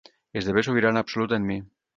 Esdevé sobirana absoluta en mi.